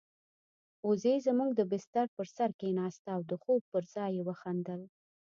وزې زموږ د بستر پر سر کېناسته او د خوب پر ځای يې وخندل.